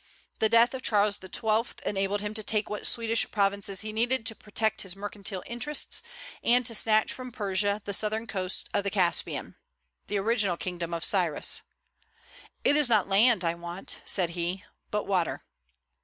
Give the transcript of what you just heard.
The death of Charles XII. enabled him to take what Swedish provinces he needed to protect his mercantile interests, and to snatch from Persia the southern coast of the Caspian, the original kingdom of Cyrus. "It is not land I want," said he, "but water."